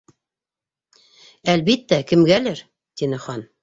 —Әлбиттә, кемгәлер, —тине Хан.